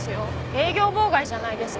営業妨害じゃないですか！